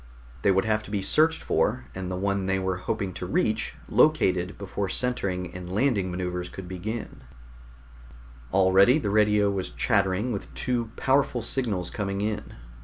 They would have to be searched for, and the one that they were hoping to reach located before centering and landing maneuvers could be begun. Already the radio was chattering with two powerful signals coming in.